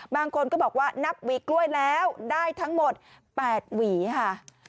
บางคนก็บอกว่านับหวีกล้วยแล้วได้ทั้งหมด๘หวีค่ะ